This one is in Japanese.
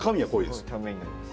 すごいためになります。